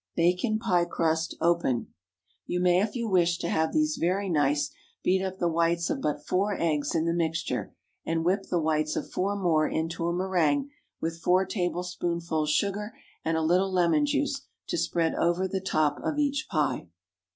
Bake in pie crust, open. You may, if you wish to have these very nice, beat up the whites of but four eggs in the mixture, and whip the whites of four more into a méringue with four tablespoonfuls sugar and a little lemon juice, to spread over the top of each pie.